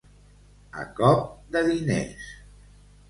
A cop de diners.